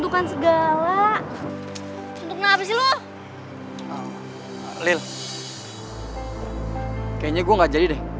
kayaknya gue gak jadi deh